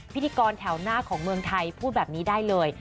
พิธีกรแถวหน้าของเมืองไทยพูดแบบนี้ได้เลย